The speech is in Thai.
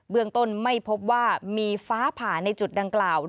เมืองต้นไม่พบว่ามีฟ้าผ่าในจุดดังกล่าว